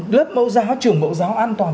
lớp bộ giáo trưởng bộ giáo an toàn